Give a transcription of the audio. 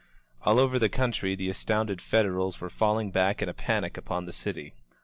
All oyer the coontrj the astounded Federals were falling back in a panic upon the city.